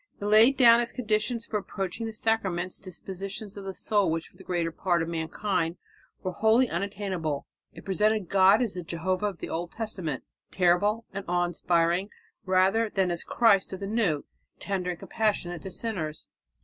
It laid down as conditions for approaching the sacraments dispositions of soul which for the greater part of mankind were wholly unattainable; it presented God as the Jehovah of the Old Testament, terrible and awe inspiring, rather than as the Christ of the New, tender and compassionate to sinners.